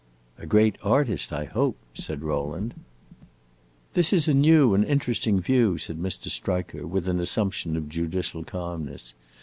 "A great artist, I hope," said Rowland. "This is a new and interesting view," said Mr. Striker, with an assumption of judicial calmness.